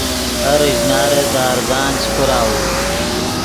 ہر ژینارے دے ارزان چے پراؤو